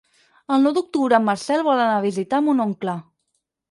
El nou d'octubre en Marcel vol anar a visitar mon oncle.